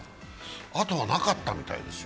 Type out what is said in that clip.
あとはなかったみたいですよ。